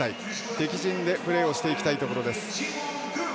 敵陣でプレーしていきたいところです。